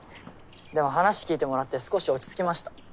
でも話聞いてもらって少し落ち着きました。